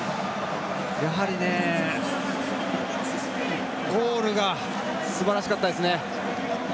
やはりゴールがすばらしかった。